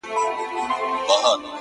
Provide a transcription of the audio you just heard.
خپـله گرانـه مړه مي په وجود كي ده ـ